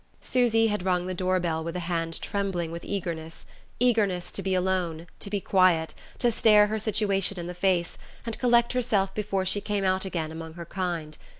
Susy had rung the door bell with a hand trembling with eagerness eagerness to be alone, to be quiet, to stare her situation in the face, and collect herself before she came out again among her kind.